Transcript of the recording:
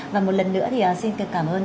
và một lần nữa thì xin cảm ơn